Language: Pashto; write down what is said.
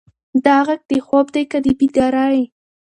دا غږ د خوب دی که د بیدارۍ؟